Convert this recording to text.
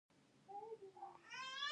توکل په خدای څنګه وکړو؟